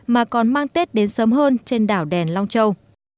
mà còn mang tết đến sớm hơn trên đảo đèn long châu